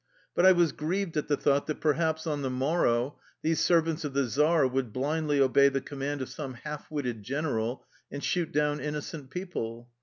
But I was grieved at the thought that perhaps on the morrow these servants of the czar would blindly obey the command of some half witted general and shoot down inno cent people.